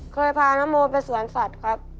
เคยพานโมไปสวนสัตว์ครับ